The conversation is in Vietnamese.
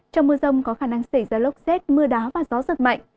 trong mưa rông có khả năng xảy ra lốc xét mưa đá và gió giật mạnh